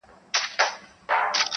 ای د اسلام لباس کي پټ یهوده,